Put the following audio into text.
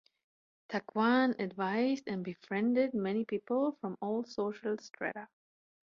Takuan advised and befriended many people, from all social strata.